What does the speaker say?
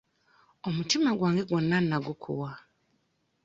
Omutima gwange gwonna nnagukuwa.